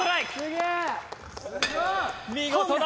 見事な。